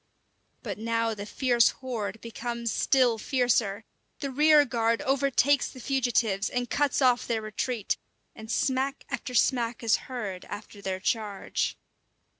But now the fierce horde becomes still fiercer. The rear guard overtakes the fugitives and cuts off their retreat; and smack after smack is heard after their charge.